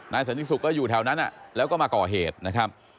สันนิสุกก็อยู่แถวนั้นแล้วก็มาก่อเหตุนะครับ